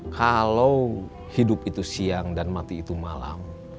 kalau hidup itu siang dan mati itu malam